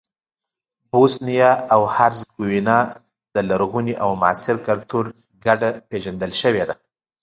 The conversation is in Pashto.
بوسنیا او هرزګوینا د لرغوني او معاصر کلتور ګډه پېژندل شوې ده.